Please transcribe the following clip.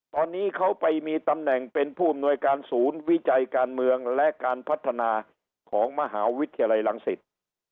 ตอนนี้เขาไปมีตำแหน่งเป็นผู้อำนวยการศูนย์วิจัยการเมืองและการพัฒนาของมหาวิทยาลัยรังสิต